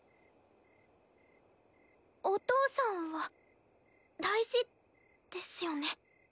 お父さんは大事ですよね。